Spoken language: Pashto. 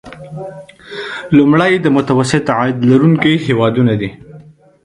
لومړی د متوسط عاید لرونکي هیوادونه دي.